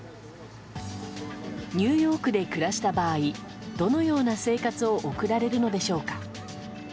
ニューヨークで暮らした場合どのような生活を送られるのでしょうか。